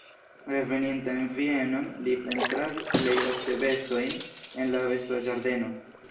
Reveninta en Vienon li pentradis plej ofte bestojn en la bestoĝardeno.